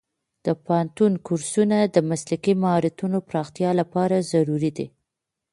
د پوهنتون کورسونه د مسلکي مهارتونو پراختیا لپاره ضروري دي.